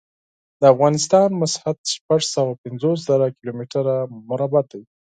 د افغانستان مسحت شپږ سوه پنځوس زره کیلو متره مربع دی.